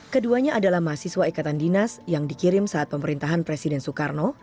keduanya adalah mahasiswa ikatan dinas yang dikirim saat pemerintahan presiden soekarno